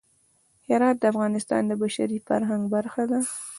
هرات د افغانستان د بشري فرهنګ برخه ده.